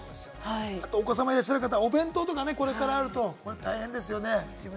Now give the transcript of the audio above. お子様いらっしゃる方、お弁当とかね、これからあると大変ですよね。